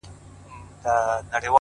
پرمختګ له کوچنیو بدلونونو راټوکېږي!